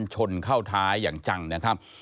ชนเข้าท้ายอย่างจังนะครับ